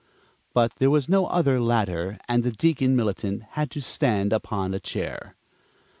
But there was no other ladder and the Deacon Militant had to stand upon a chair.